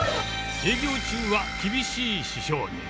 営業中は厳しい師匠に。